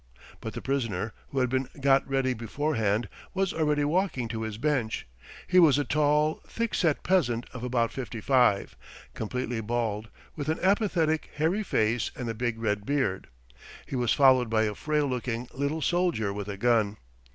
But the prisoner, who had been got ready beforehand, was already walking to his bench. He was a tall, thick set peasant of about fifty five, completely bald, with an apathetic, hairy face and a big red beard. He was followed by a frail looking little soldier with a gun.